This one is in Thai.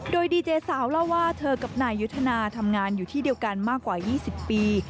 โดยดีเจสาวเล่าว่าเธอกับนายยุทธนาทำงานอยู่ที่เดียวกันมากกว่า๒๐ปี